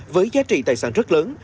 với giá trị tài sản rất lớn